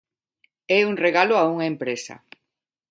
É un regalo a unha empresa.